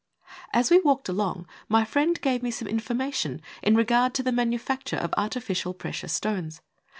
As we walked along my friend gave me some infor r mation in regard to the manufacture of artificial precious stones.